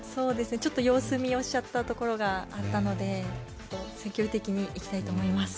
ちょっと様子見をしちゃったところがあったので積極的にいきたいと思います